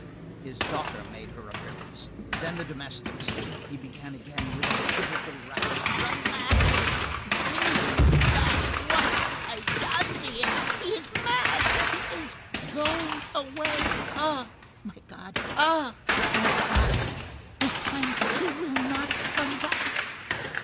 His daughter made her appearance, then the domestics. He began again, with a pitiful rattle: "Run after him! Bring him back! What have I done to him? He is mad! He is going away! Ah! my God! Ah! my God! This time he will not come back!"